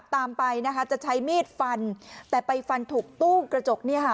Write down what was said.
ตามไปนะคะจะใช้มีดฟันแต่ไปฟันถูกตู้กระจกเนี่ยค่ะ